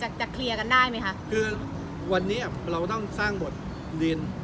จะจะเคลียร์กันได้ไหมคะคือวันนี้เราต้องสร้างบทเรียน